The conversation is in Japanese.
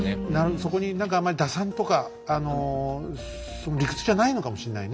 そこに何かあんまり打算とかその理屈じゃないのかもしんないね。